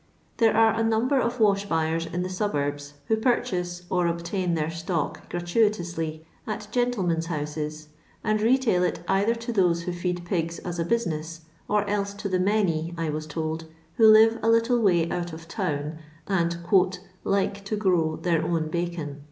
There are a number of wash buyers in the suburbs, who purchase, or obtain their stock gra tuitously, at gentlemen's houses, and retail it either to those who feed pigs as a business, or else to the many, I was told, who live a little vray out of town, and " like to grow their own bacon.'